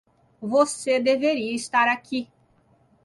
Você deveria estar aqui.